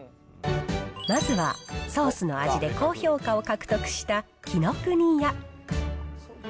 まずはソースの味で高評価を獲得した紀ノ国屋。